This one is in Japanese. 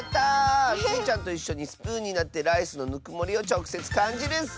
スイちゃんといっしょにスプーンになってライスのぬくもりをちょくせつかんじるッス！